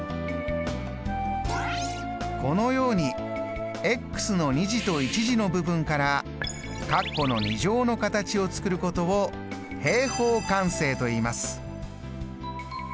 このようにの２次と１次の部分からカッコの２乗の形を作ることを平方完成といいます。